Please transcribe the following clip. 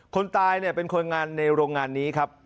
คนตายเนี่ยเป็นคนงานในโรงงานนี้ครับ